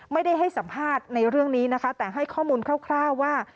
ไม่ได้ให้สัมภาษณ์ในเรื่องนี้แต่ให้ข้อมูลคร่าวว่า